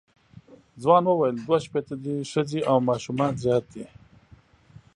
ځوان وویل دوه شپېته دي ښځې او ماشومان زیات دي.